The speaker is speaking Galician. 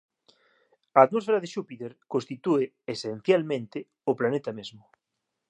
A atmosfera de Xúpiter constitúe, esencialmente, o planeta mesmo